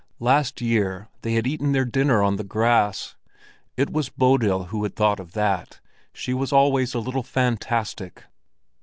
Last year they had eaten their dinner on the grass. It was Bodil who had thought of that; she was always a little fantastic.